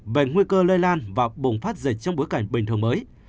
về nguy cơ lây lan và bùng phát dịch trong bối cảnh bình thường mới